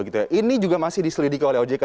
ini juga masih diselidiki oleh ojk